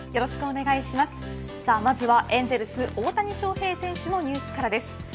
まずはエンゼルス大谷翔平選手のニュースからです。